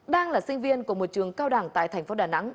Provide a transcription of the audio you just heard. đang là sinh viên của một trường cao đẳng tại thành phố đà nẵng